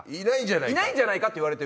「いないんじゃないか」といわれて。